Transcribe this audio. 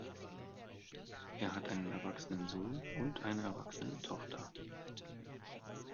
Er hat einen erwachsenen Sohn und eine erwachsene Tochter.